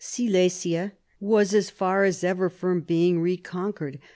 Silesia was as far as ever from being reconquered.